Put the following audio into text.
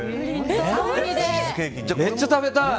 めっちゃ食べたい！